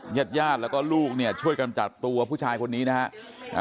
ญาติญาติแล้วก็ลูกเนี่ยช่วยกันจับตัวผู้ชายคนนี้นะฮะ